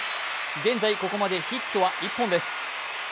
現在、ここまでヒットは１本です。